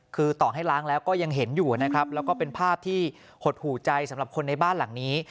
คือต่อให้ล้างแล้วก็ยังเห็นอยู่นะครับแล้วก็เป็นภาพที่หดหูใจสำหรับคนในบ้านหลังนี้